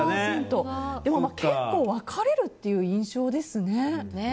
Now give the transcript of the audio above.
結構、分かれるという印象ですね。